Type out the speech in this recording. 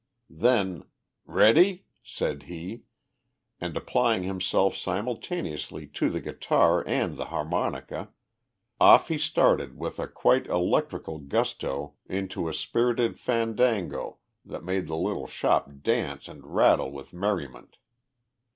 Then, "Ready?" said he, and, applying himself simultaneously to the guitar and the harmonica, off he started with a quite electrical gusto into a spirited fandango that made the little shop dance and rattle with merriment.